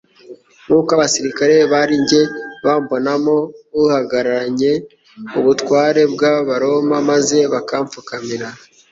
Nk'uko abasirikare barijye bambonamo uhagaranye ubutware bw'abaroma maze bakamfukamira,